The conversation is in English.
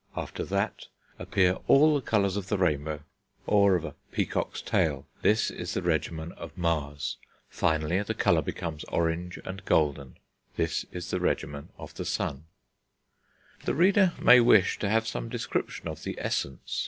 After that, appear all the colours of the rainbow, or of a peacock's tail; this is the regimen of Mars. Finally the colour becomes orange and golden; this is the regimen of the Sun. The reader may wish to have some description of the Essence.